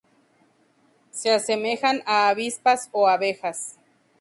Se asemejan a avispas o abejas.